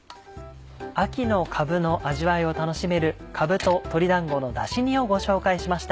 秋のかぶの味わいを楽しめる「かぶと鶏だんごのだし煮」をご紹介しました。